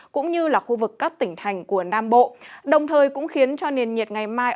cũng như là khu vực các tỉnh thành của nam bộ đồng thời cũng khiến cho nền nhiệt ngày mai